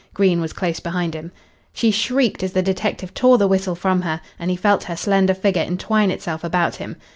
Green was close behind him. She shrieked as the detective tore the whistle from her, and he felt her slender figure entwine itself about him.